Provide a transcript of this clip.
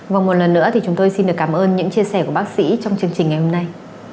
và một lần nữa thì chúng tôi xin được cảm ơn những chia sẻ của bác sĩ trong chương trình ngày hôm nay